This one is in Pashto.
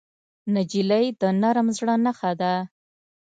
نجلۍ د نرم زړه نښه ده.